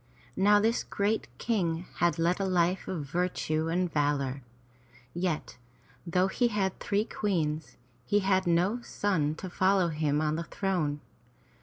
Now this great King had led a life of virtue and of valor; yet, though he had three Queens, he had no son to follow him on the throne.